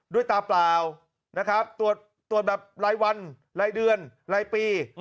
ด้วยตาเปล่าตัวแบบรายวันรายเดือนรายปี